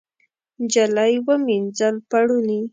نجلۍ ومینځل پوړني